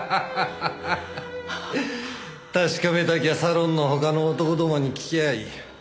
確かめたきゃサロンの他の男どもに聞きゃあいい。